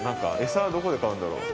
餌どこで買うんだろう？